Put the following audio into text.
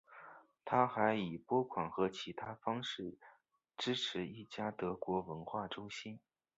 他还以拨款和其他方式支持一家德国文化中心。